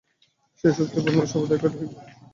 সেই শক্তির পরিমাণ সর্বদা একই থাকিবে।